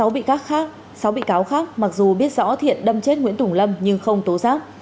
sáu bị cáo khác mặc dù biết rõ thiện đâm chết nguyễn tùng lâm nhưng không tố giác